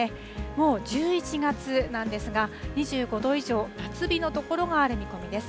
もう１１月なんですが、２５度以上、夏日の所がある見込みです。